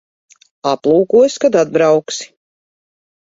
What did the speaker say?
Aplūkosi, kad atbrauksi.